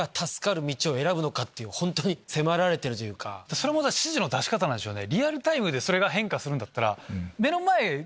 それも指示の出し方なんでしょうね。